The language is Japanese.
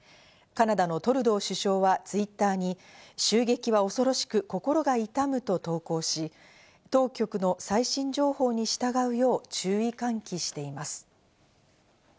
カナダのトルドー首相はＴｗｉｔｔｅｒに襲撃は恐ろしく心が痛むと投稿し、当局の最新情報に従うよう注意喚起しています。